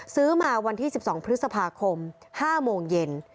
ซื้อมาวันที่สิบสองพฤษภาคมห้าโมงเย็น